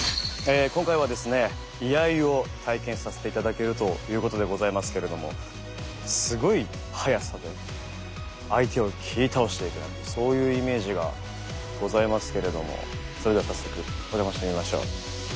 今回はですね「居合」を体験させて頂けるということでございますけれどもすごい速さで相手を斬り倒していくなんてそういうイメージがございますけれどもそれでは早速お邪魔してみましょう。